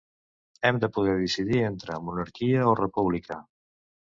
Hem de poder decidir entre monarquia o república.